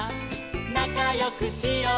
「なかよくしよう